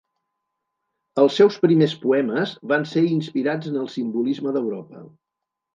Els seus primers poemes van ser inspirats en el simbolisme d'Europa.